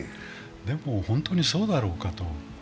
でも本当にそうだろうかと。